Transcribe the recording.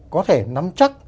có thể nắm chắc